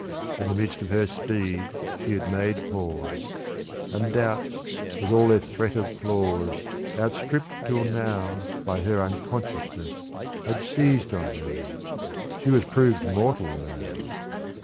In the midst of her speed she had made pause ; And doubts with all their threat of claws, Outstripped till now by her unconsciousness Had seized on her ; she was proved mortal now.